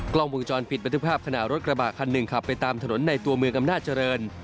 กล้องวงจรปิดบันทึกภาพขณะรถกระบะคันหนึ่งขับไปตามถนนในตัวเมืองอำนาจเจริญ